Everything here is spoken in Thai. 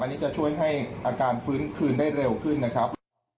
อันนี้จะช่วยให้อาการฟื้นคืนได้เร็วขึ้นนะครับ